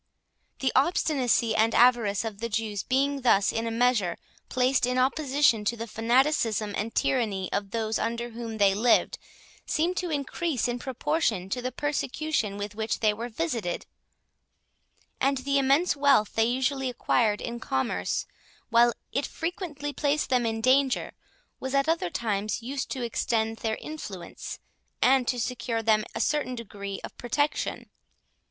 The obstinacy and avarice of the Jews being thus in a measure placed in opposition to the fanaticism that tyranny of those under whom they lived, seemed to increase in proportion to the persecution with which they were visited; and the immense wealth they usually acquired in commerce, while it frequently placed them in danger, was at other times used to extend their influence, and to secure to them a certain degree of protection.